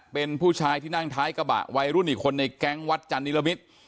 เป็นผู้ชายที่นั่งท้ายกระบะวัยรุ่นอีกคนในแก๊งวัดจันนิรมิตร